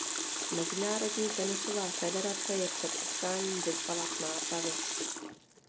Mezinárodní tenisová federace je před utkáním vyzvala k nápravě.